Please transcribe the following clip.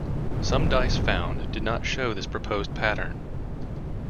Some dice found did not show this proposed pattern.